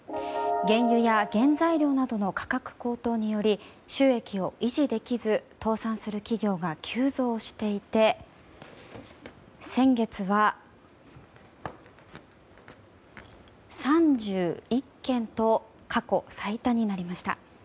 原油や原材料などの価格高騰により収益を維持できず倒産する企業が急増していて先月は３１件と過去最多になりました。